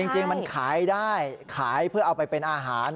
จริงมันขายได้ขายเพื่อเอาไปเป็นอาหาร